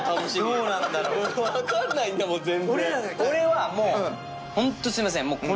俺はもう本当すいません。